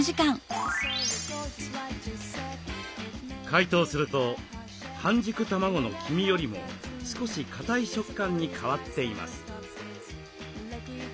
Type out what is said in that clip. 解凍すると半熟卵の黄身よりも少しかたい食感に変わっています。